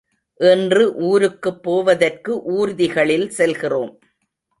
இன்று ஊருக்குப் போவதற்கு ஊர்திகளில் செல்கிறோம்.